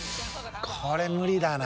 これ無理だな。